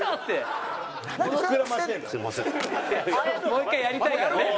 もう１回やりたいからね。